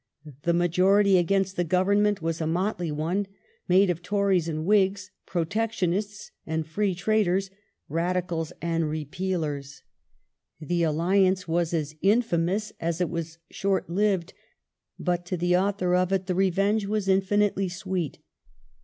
The majority against the Government was a motley one, made up of Tories and Whigs, Protectionists and Free Traders, Radicals and Repealers. The 176 SIR ROBERT PEEL'S MINISTRY [1841 alliance was as infamous as it was short lived, but to the author of it, the revenge was infinitely sweet.